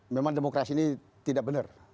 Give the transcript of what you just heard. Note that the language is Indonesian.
memang demokrasi ini tidak benar